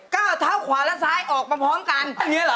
เก้าเท้าขวาและซ้ายออกมาพร้อมกัน